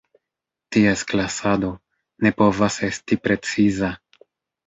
Ties klasado, ne povas esti preciza.